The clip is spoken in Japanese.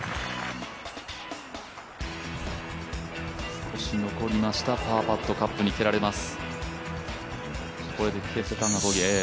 少し残しました、パーパット、カップに蹴られます。